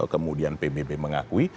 kemudian pbb mengakui